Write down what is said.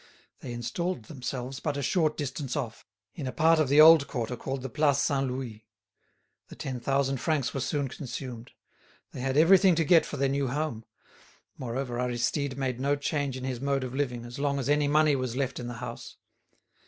They installed themselves but a short distance off, in a part of the old quarter called the Place Saint Louis. The ten thousand francs were soon consumed. They had everything to get for their new home. Moreover Aristide made no change in his mode of living as long as any money was left in the house.